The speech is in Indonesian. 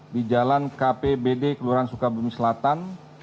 di jalan kpbd kelurahan sukabumi selatan